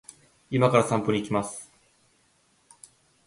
今から散歩に行きます